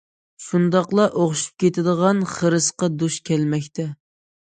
شۇنداقلا ئوخشىشىپ كېتىدىغان خىرىسقا دۇچ كەلمەكتە.